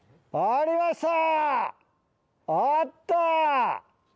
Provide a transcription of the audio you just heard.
あった！